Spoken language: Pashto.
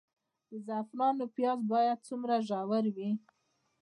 د زعفرانو پیاز باید څومره ژور وي؟